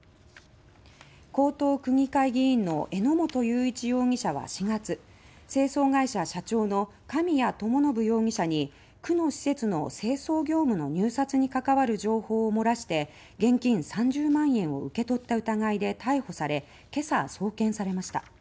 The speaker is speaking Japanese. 江東区議会議員の榎本雄一容疑者は４月清掃会社社長の神谷知伸容疑者に区の施設の清掃業務の入札に関わる情報を漏らして現金３０万円を受け取った疑いで逮捕され今朝、送検されました。